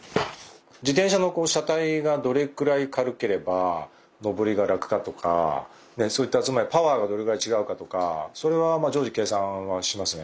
自転車の車体がどれくらい軽ければ登りが楽かとかそういったつまりパワーがどれぐらい違うかとかそれは常時計算はしますね。